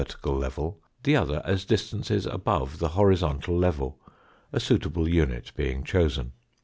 tical level, the other as distances above the horizontal level, a suitable unit being chosen.